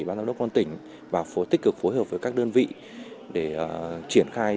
ban giám đốc con tỉnh và tích cực phối hợp với các đơn vị để triển khai